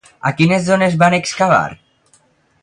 A quines zones van excavar?